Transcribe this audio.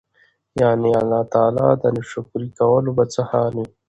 يعني الله تعالی د ناشکري کولو به څه حال وي؟!!.